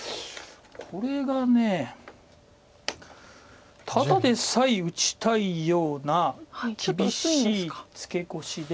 これがただでさえ打ちたいような厳しいツケコシで。